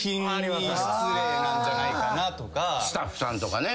スタッフさんとかね。